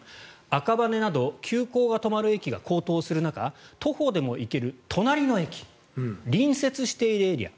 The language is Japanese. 赤羽など、急行が止まる駅が高騰する中徒歩でも行ける隣の駅隣接しているエリア